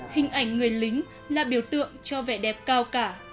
hình ảnh người lính là biểu tượng cho vẻ đẹp cao cả